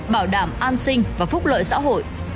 bảo đảm an sinh và phúc lợi xã hội